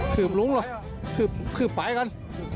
ขือบหลุงหรอขึบขึบปลายกัน